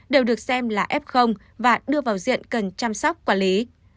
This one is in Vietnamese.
đều được xem là f và đưa vào diện cần chăm sóc quản lý